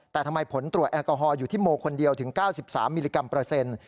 แต่ทำไมผลตรวจแอลกอฮอลอยู่ที่โมคนเดียวถึง๙๓มิลลิกรัมเปอร์เซ็นต์